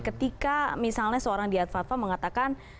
ketika misalnya seorang diatfatfa mengatakan